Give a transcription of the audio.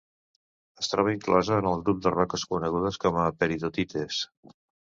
Es troba inclosa en el grup de roques conegudes com a peridotites.